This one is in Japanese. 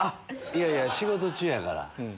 いやいや仕事中やから。